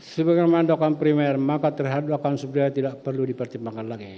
sebagai mandokan primer maka terhadap akan sumber daya tidak perlu dipertimbangkan lagi